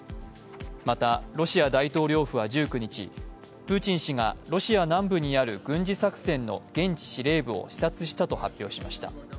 また、ロシア大統領府は１９日、プーチン氏がロシア南部にある軍事作戦の現地司令部を視察したと発表しました。